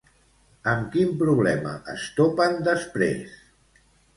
Amb quin problema es topen després?